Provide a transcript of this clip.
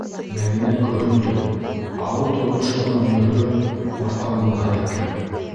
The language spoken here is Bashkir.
Мәҙинә көрһөндө: ауыл тормошо ғына мөһөрөн баҫҡан булһа икән!